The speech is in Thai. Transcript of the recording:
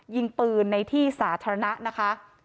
ยิงปืนในที่สาธารณะนะคะ